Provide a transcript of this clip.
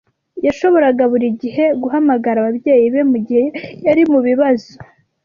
Yashoboraga buri gihe guhamagara ababyeyi be mugihe yari mubibazo.